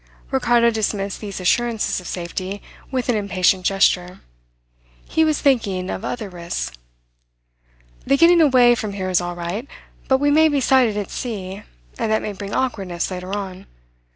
Ricardo dismissed these assurances of safety with an impatient gesture. He was thinking of other risks. "The getting away from here is all right; but we may be sighted at sea, and that may bring awkwardness later on.